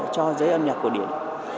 cho giới âm nhạc cổ điển